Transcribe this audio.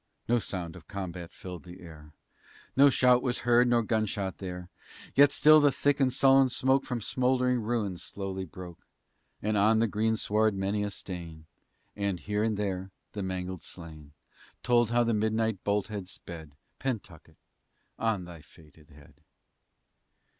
No sound of combat filled the air, No shout was heard, nor gunshot there; Yet still the thick and sullen smoke From smouldering ruins slowly broke; And on the greensward many a stain, And, here and there, the mangled slain, Told how that midnight bolt had sped, Pentucket, on thy fated head!